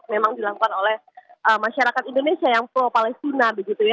memang dilakukan oleh masyarakat indonesia yang pro palestina begitu ya